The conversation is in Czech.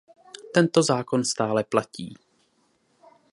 Tento zákon stále platí.